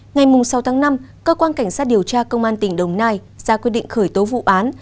ngày sáu tháng năm cơ quan cảnh sát điều tra công an tỉnh đồng nai ra quyết định khởi tố vụ án